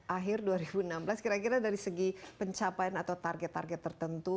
akhir dua ribu enam belas kira kira dari segi pencapaian atau target target tertentu